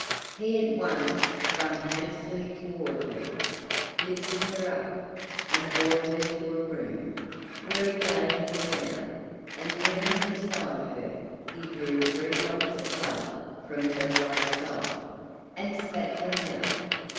He at once sprang hastily toward her, lifted her up, and bore her to a room, where he laid her down, and kneeling beside her he drew three drops of blood from her right side, and spat them out.